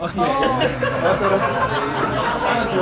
sudah pensiun yang minta motor